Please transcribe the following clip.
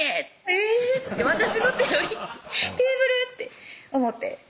えぇって私の手よりテーブル？って思てそ